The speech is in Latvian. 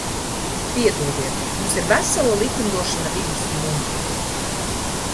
Piedodiet, mums ir vesela likumdošana vides jomā.